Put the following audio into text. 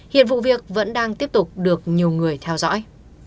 hiện vụ việc vẫn đang tiếp tục được nhiều người theo dõi